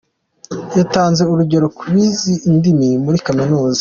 Yatanze urugero ku bize indimi muri kaminuza.